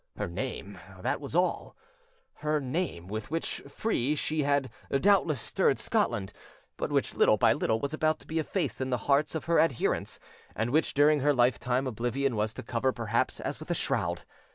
Her name, that was all; her, name with which, free, she had doubtless stirred Scotland, but which little by little was about to be effaced in the hearts of her adherents, and which during her lifetime oblivion was to cover perhaps as with a shroud.